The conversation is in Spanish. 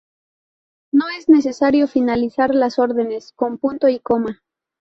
No es necesario finalizar las órdenes con "punto y coma".